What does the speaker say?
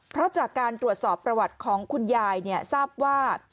เพราะจากการตรวจสอบประวัติของคุณยายทราบว่า